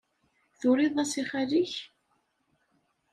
Turiḍ-as i xali-k?